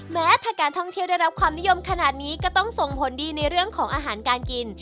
แม้ถ้าการท่องเที่ยวได้รับความนิยมขนาดนี้ก็ต้องส่งผลดีในเรื่องของอาหารการกิน